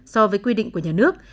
so với quy định của nhà nước